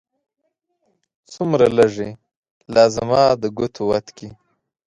څومره لږې! لا زما د ګوتو وت کې